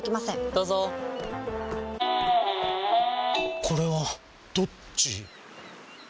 どうぞこれはどっち？